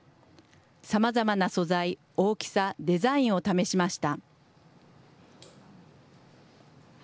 さまざまな素材、大きさ、デザインを試しました。